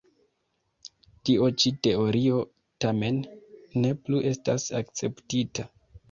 Tio ĉi teorio, tamen, ne plu estas akceptita.